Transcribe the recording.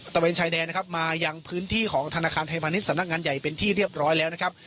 เวนชายแดนนะครับมายังพื้นที่ของธนาคารไทยพาณิชยสำนักงานใหญ่เป็นที่เรียบร้อยแล้วนะครับ